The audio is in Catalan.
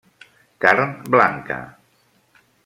Carn blanca.